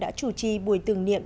đã chủ trì buổi tưởng niệm